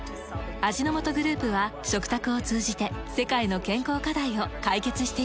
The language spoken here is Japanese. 味の素グループは食卓を通じて世界の健康課題を解決していきます。